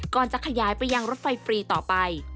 จะขยายไปยังรถไฟฟรีต่อไป